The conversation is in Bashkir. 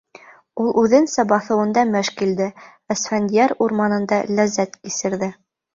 Ул үҙенсә баҫыуында мәж килде, Әсфәндиәр урманында ләззәт кисерҙе.